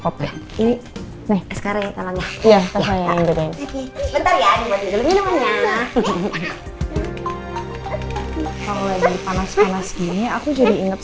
panas panas ini aku jadi inget